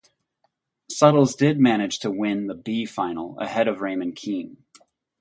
Suttles did manage to win the 'B' final, ahead of Raymond Keene.